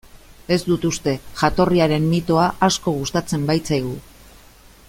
Ez dut uste, jatorriaren mitoa asko gustatzen baitzaigu.